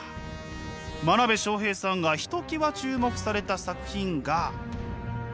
真鍋昌平さんがひときわ注目された作品が。